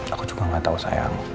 aku juga gak tau saya